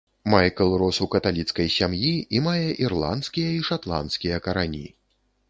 Майкл рос у каталіцкай сям'і, і мае ірландскія і шатландскія карані.